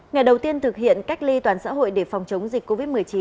ngày đầu tiên thực hiện cách ly toàn xã hội để phòng chống dịch covid một mươi chín